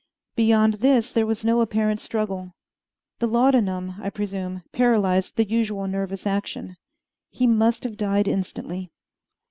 Beyond this there was no apparent struggle. The laudanum, I presume, paralyzed the usual nervous action. He must have died instantly.